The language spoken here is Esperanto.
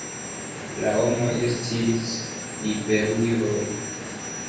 La homoj estis ribeluloj.